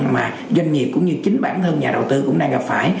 mà doanh nghiệp cũng như chính bản thân nhà đầu tư cũng đang gặp phải